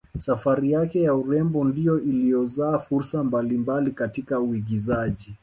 Safari yake ya urembo ndiyo iliyozaa fursa mbali mbali katika uigizaji